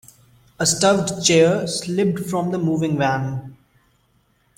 A stuffed chair slipped from the moving van.